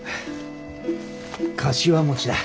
かしわ餅だ。